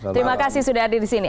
terima kasih sudah hadir di sini